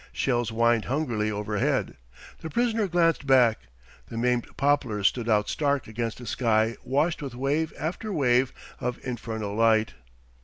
Shells whined hungrily overhead. The prisoner glanced back: the maimed poplars stood out stark against a sky washed with wave after wave of infernal light....